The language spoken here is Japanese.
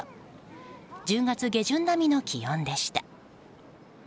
１０月下旬並みの気温でした。